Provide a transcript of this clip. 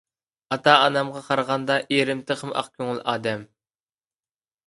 ئاتا - ئانامغا قارىغاندا ئېرىم تېخىمۇ ئاق كۆڭۈل ئادەم.